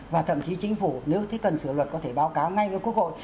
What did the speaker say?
và thậm chí chính phủ nếu thấy cần sửa luật có thể báo cáo ngay với quốc hội